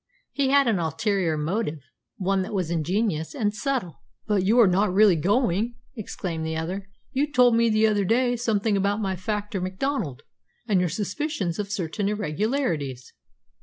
He had an ulterior motive, one that was ingenious and subtle. "But you are not really going?" exclaimed the other. "You told me the other day something about my factor Macdonald, and your suspicions of certain irregularities."